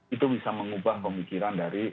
itu bisa mengubah pemikiran dari